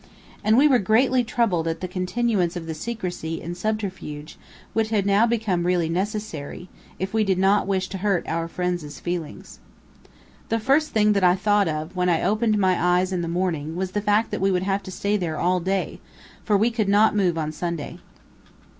And we were greatly troubled at the continuance of the secrecy and subterfuge which now had become really necessary, if we did not wish to hurt our friends' feelings. The first thing that I thought of, when I opened my eyes in the morning, was the fact that we would have to stay there all day, for we could not move on Sunday.